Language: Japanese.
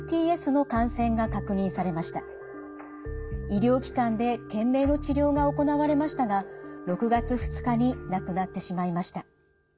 医療機関で懸命の治療が行われましたが６月２日に亡くなってしまいました。